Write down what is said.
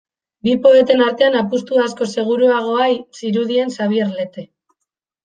Bi poeten artean, apustu askoz seguruagoa zirudien Xabier Lete.